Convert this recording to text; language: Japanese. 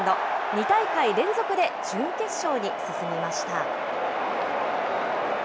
２大会連続で準決勝に進みました。